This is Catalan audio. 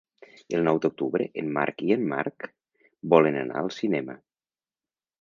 El nou d'octubre en Marc i en Marc volen anar al cinema.